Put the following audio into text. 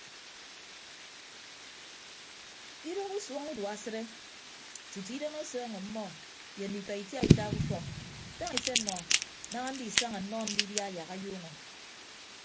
Idoho usʌñ udua asịde tutu idem ọsọọñ ọmmọ ye nditọ itiaita ke ufọk tañ ise nnọ daña ndisaña nnọ ndidia yak ayuuñọ.